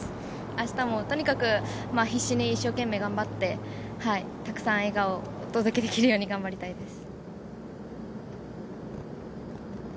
あしたもとにかく、必死に一生懸命頑張って、たくさん笑顔をお届けできるように頑張りたいです。